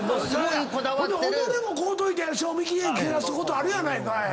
己も買うといて賞味期限切らすことあるやないかい。